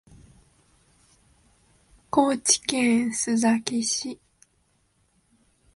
高知県須崎市